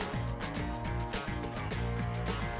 kucing yang mengemaskan